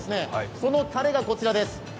このたれがこちらです。